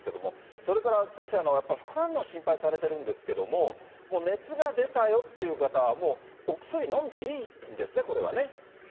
それから先生、副反応心配されてるんですけれども、熱が出たよっていう方、もうお薬飲んでいいんですね、これはね。